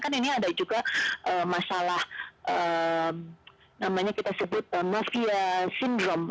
karena kan ini ada juga masalah namanya kita sebut mafia syndrome